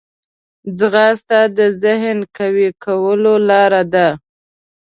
ځغاسته د ذهن قوي کولو لاره ده